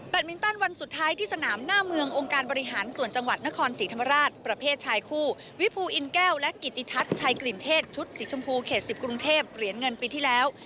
มินตันวันสุดท้ายที่สนามหน้าเมืององค์การบริหารส่วนจังหวัดนครศรีธรรมราชประเภทชายคู่วิภูอินแก้วและกิติทัศน์ชัยกลิ่นเทศชุดสีชมพูเขต๑๐กรุงเทพเหรียญเงินปีที่แล้ว